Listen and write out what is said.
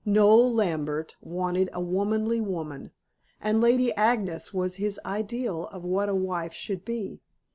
Noel Lambert wanted a womanly woman, and Lady Agnes was his ideal of what a wife should be.